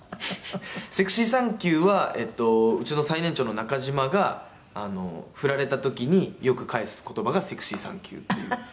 「セクシーサンキューはうちの最年長の中島が振られた時によく返す言葉がセクシーサンキューっていう」